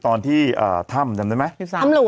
ตอนที่ถ้ำจำได้ไหม